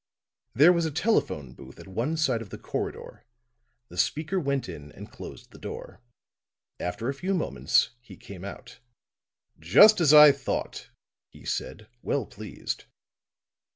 There was a telephone booth at one side of the corridor; the speaker went in and closed the door. After a few moments he came out. "Just as I thought," he said, well pleased.